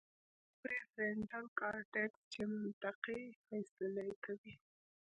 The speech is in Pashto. يوه پري فرنټل کارټيکس چې منطقي فېصلې کوي